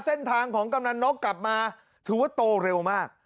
เส้นทางของกำนันนกกลับมาถือว่าโตเร็วมาก